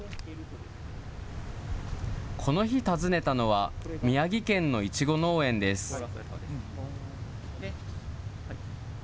この日訪ねたのは、宮城県のイチゴ農園です。